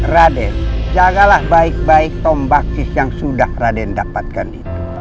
rade jagalah baik baik tombaksis yang sudah rade dapatkan itu